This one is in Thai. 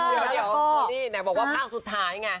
เดี๋ยวเดี๋ยวนี่นายบอกว่าภาพสุดท้ายไง